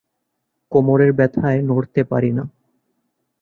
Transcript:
কোমরের ব্যথায় নড়তে পারি না।